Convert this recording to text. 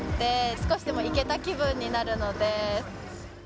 少しでも行けた気分になるので。